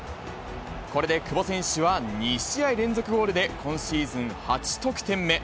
これで久保選手は２試合連続ゴールで、今シーズン８得点目。